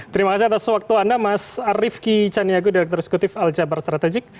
terima kasih atas waktu anda mas arief ki chaniagoo direktur eksekutif al jabar strategik